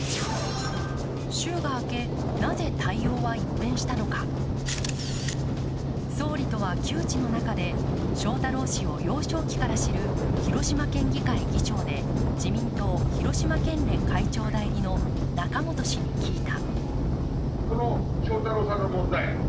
週が明け、なぜ対応は一変したのか総理とは旧知の仲で翔太郎氏を幼少期から知る広島県議会議長で自民党広島県連会長代理の中本氏に聞いた。